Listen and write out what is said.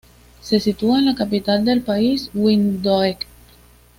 Se sitúa en la capital del país, Windhoek.